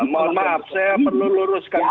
mohon maaf saya perlu luruskan